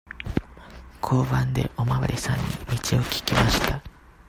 交番でおまわりさんに道を聞きました。